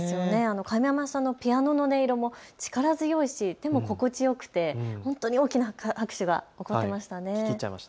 亀山さんのピアノの音色も力強いし、でも心地よくて大きな拍手が響いていましたね。